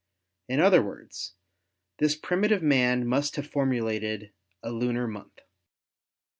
In other words, this primi tive man must have formulated a lunar month.